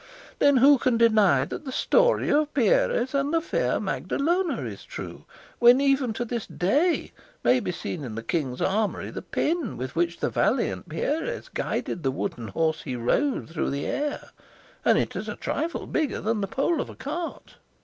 Then who can deny that the story of Pierres and the fair Magalona is true, when even to this day may be seen in the king's armoury the pin with which the valiant Pierres guided the wooden horse he rode through the air, and it is a trifle bigger than the pole of a cart?